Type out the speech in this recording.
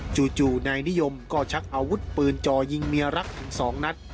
จู่นายนิยมก็ชักอาวุธปืนจ่อยิงเมียรักถึง๒นัด